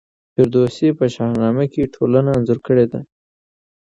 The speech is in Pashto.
فردوسي په شاهنامه کي ټولنه انځور کړې ده.